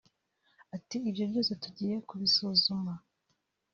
Ati ”Ibyo byose tugiye kubisuzuma